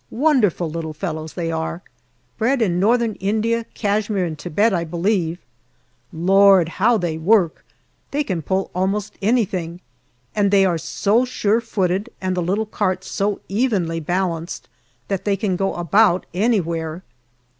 Wonderful little fellows they are, bred in Northern India Kashmere and Thibet, I believe, MAY 77 Lord ! how they work they can pull almost anything, and they are so surefooted and the little carts so evenly balanced that they can go about anywhere.